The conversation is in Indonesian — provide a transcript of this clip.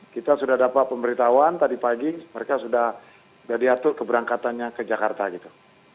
kita sudah dapat pemberitahuan tadi pagi mereka sudah diatur keberangkatannya ke jakarta gitu